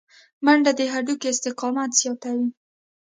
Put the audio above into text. منډه د هډوکو استقامت زیاتوي